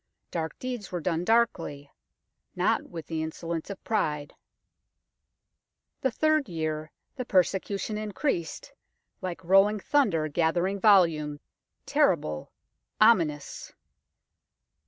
Dark deeds were done darkly, not with the insolence of pride. The third year the persecution increased, like rolling thunder gathering volume, terrible, omin ous.